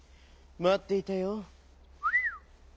まっていたよ」。